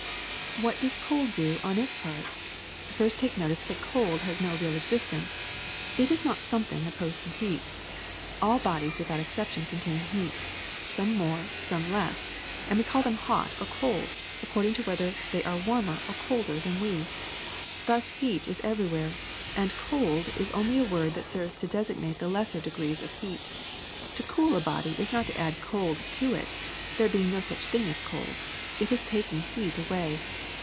^^What does cold do on its part? First take notice that cold has no real existence, that it is not some thing opposed to heat. All bodies without excep tion contain heat, some more, some less, and we call them hot or cold according to whether they are warmer or colder than we. Thus heat is everywhere, and cold is only a word that serves to designate the lesser degrees of heat. To cool a body is not to add cold to it, there being no such thing as cold ; it is tak ing heat away.